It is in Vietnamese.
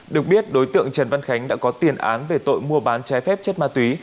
được biết đối tượng trần văn khánh đã có tiền án về tội mua bán trái phép chất ma túy